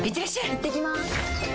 いってきます！